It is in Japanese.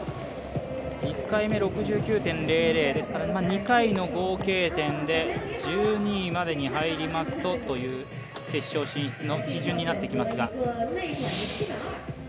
１回目、６９．００、ですから２回の合計点で１２位までに入りますと、という決勝進出の基準となってきますが。